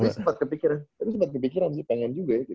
tapi tapi sempet kepikiran tapi sempet kepikiran sih pengen juga ya gitu